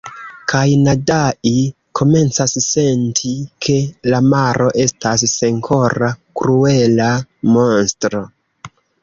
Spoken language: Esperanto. “Kaj Nadai komencas senti, ke la maro estas senkora, kruela monstro...